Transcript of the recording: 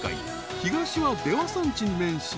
東は出羽山地に面し］